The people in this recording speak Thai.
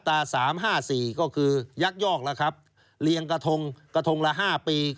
แต่ปัจจุบันนี้